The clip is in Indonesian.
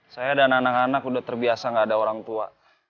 saya dan anak anak udah terbiasa gak ada orang tua